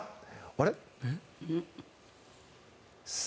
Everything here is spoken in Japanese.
あれ？